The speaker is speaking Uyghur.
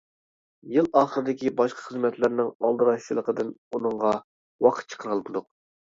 يىل ئاخىرىدىكى باشقا خىزمەتلەرنىڭ ئالدىراشچىلىقىدىن ئۇنىڭغا ۋاقىت چىقىرالمىدۇق.